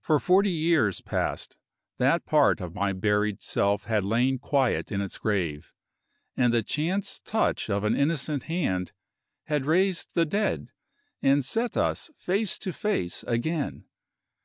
For forty years past, that part of my buried self had lain quiet in its grave and the chance touch of an innocent hand had raised the dead, and set us face to face again!